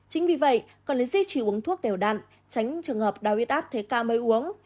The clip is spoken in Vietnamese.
chính vì vậy cần lấy duy trì uống thuốc đều đặn tránh trường hợp đào nguyết áp thế cao mới uống